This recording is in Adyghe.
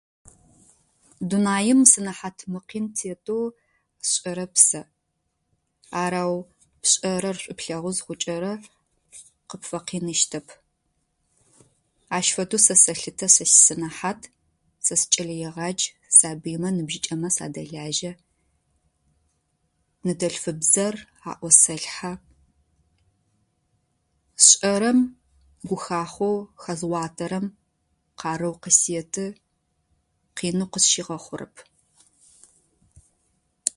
Дунаем сэнэхьат мыкъин тетэу сшӏэрэп сэ. Арэу пшӏэрэ шӏу плъэгъу зыхъукӏэрэ къыпфэкъиныщтэп. Ащ фэдэу сэ сэлъытэ сэ си сэнэхьат. Сэ сыкӏэлэегъадж. Сабыймэ, ныбжьыкӏэмэ садэлажьэ. Ныдэлъфыбзэр аӏусэлъхьэ. Сшӏэрэм гухахэу хэзгъуатэрэм къарыу къысеты. Къины къысщигъэхъурэп.